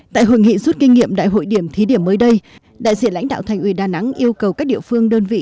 tại hội nghị rút kinh nghiệm đại hội điểm thí điểm mới đây đại diện lãnh đạo thành ủy đà nẵng yêu cầu các địa phương đơn vị